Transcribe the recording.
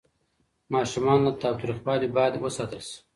ماشومان له تاوتریخوالي باید وساتل شي.